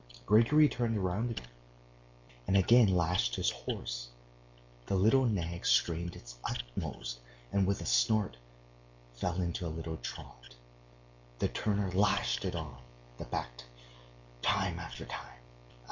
Grigory turned round again, and again lashed his horse. The little nag strained its utmost and, with a snort, fell into a little trot. The turner lashed it on the back time after time....